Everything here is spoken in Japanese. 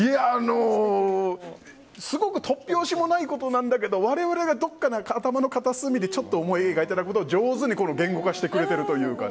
すごく突拍子もないことなんだけど我々がどこか頭の片隅でちょっと思い描いたことを上手に言語化しているというか。